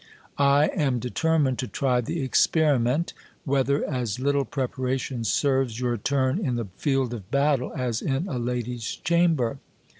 I am determined to try the experiment, whether as little preparation serves your turn in the field of battle as in a lady's chamber.